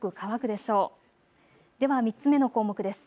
では３つ目の項目です。